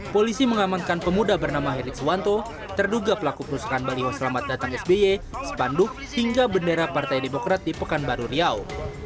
polisi mengamankan pemuda bernama herik suwanto terduga pelaku perusakan baliho selamat datang sby spanduk hingga bendera partai demokrat di pekanbaru riau